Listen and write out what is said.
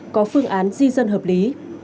có phương án di dân hợp lý